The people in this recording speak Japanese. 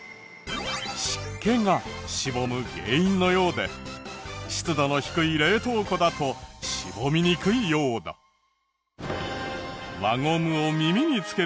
湿気がしぼむ原因のようで湿度の低い冷凍庫だとしぼみにくいようだ。というウワサ。